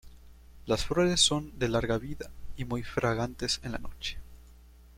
Las flores son de larga vida y muy fragantes en la noche.